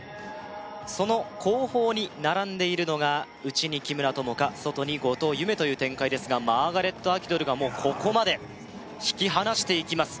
その後方に並んでいるのが内に木村友香外に後藤夢という展開ですがマーガレット・アキドルがもうここまでいやここまで引き離していきます